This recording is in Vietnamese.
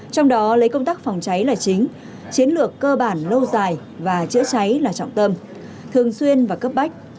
trong đó lấy công tác phòng cháy là chính chiến lược cơ bản lâu dài và chữa cháy là trọng tâm thường xuyên và cấp bách